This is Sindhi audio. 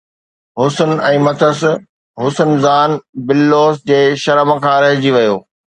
حسن ۽ مٿس حسن زان باللوس جي شرم کان رهجي ويو